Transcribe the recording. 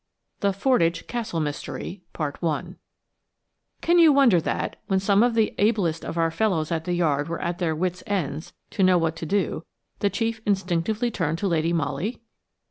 IVTHE FORDWYCH CASTLE MYSTERY CAN you wonder that, when some of the ablest of our fellows at the Yard were at their wits' ends to know what to do, the chief instinctively turned to Lady Molly?